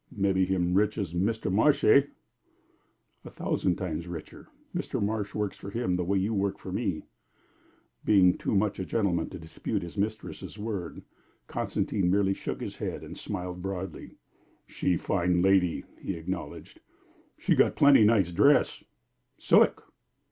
"Mebbe him rich as Mr. Marsh, eh?" "A thousand time richer. Mr. Marsh works for him the way you work for me." Being too much a gentleman to dispute his mistress' word, Constantine merely shook his head and smiled broadly. "She fine lady," he acknowledged. "She got plenty nice dress silik."